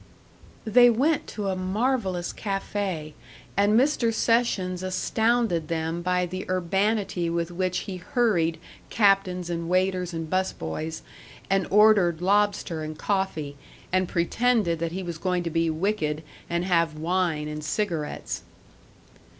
They went to a marvelous café, and Mr. Sessions astounded them by the urbanity with which he hurried captains and waiters and 'bus boys, and ordered lobster and coffee, and pretended that he was going to be wicked and have wine and cigarettes.